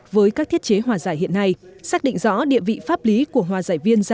với các thiết chế hòa giải hiện nay xác định rõ địa vị pháp lý của hòa giải viên